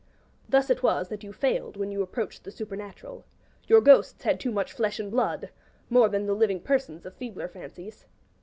Thus it was that you failed when you approached the supernatural. Your ghosts had too much flesh and blood, more than the living persons of feebler fancies.